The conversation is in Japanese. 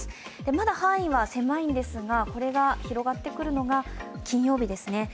まだ範囲は狭いんですがこれが広がってくるのが金曜日ですね。